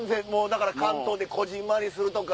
関東でこぢんまりするとか。